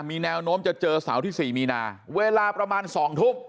มีแนวโน้มจะเจอเสาร์ที่๔มีนาเวลาประมาณ๒ทุ่ม